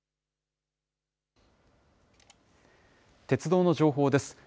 鉄道の情報です。